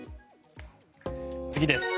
次です。